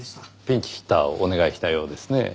ピンチヒッターをお願いしたようですね。